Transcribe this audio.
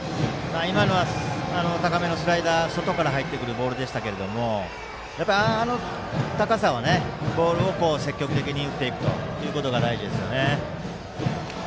今のは高めのスライダー外から入ってくるボールでしたがあの高さのボールを積極的に打っていくことが大事ですよね。